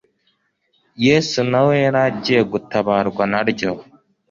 Yesu nawe yari agiye gutabarwa na ryo.